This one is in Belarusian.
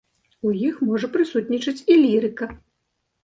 У іх можа прысутнічаць і лірыка.